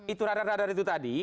itu radar radar itu tadi